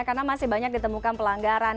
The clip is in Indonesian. karena masih banyak ditemukan pelanggaran